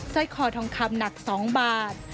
สร้อยคอทองคำหนัก๒บาท